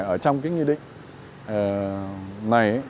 ở trong cái nghị định này